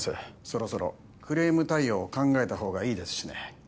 そろそろクレーム対応を考えたほうがいいですしね